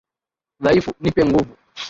Dhaifu, nipe nguvu,